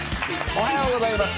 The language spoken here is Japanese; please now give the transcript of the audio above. おはようございます。